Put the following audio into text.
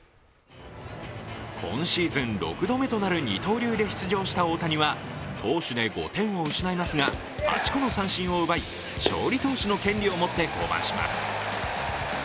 今シーズン６度目となる二刀流で出場した大谷は投手で５点を失いますが、８個の三振を奪い勝利投手の権利を持って降板します。